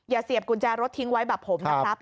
เสียบกุญแจรถทิ้งไว้แบบผมนะครับ